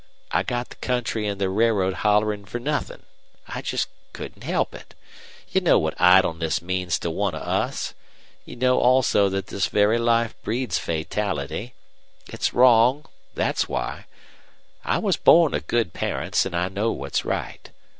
I got the country an' the railroad hollerin' for nothin'. I just couldn't help it. You know what idleness means to one of us. You know also that this very life breeds fatality. It's wrong that's why. I was born of good parents, an' I know what's right.